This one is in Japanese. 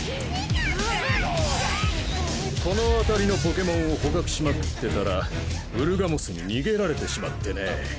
このあたりのポケモンを捕獲しまくってたらウルガモスに逃げられてしまってね。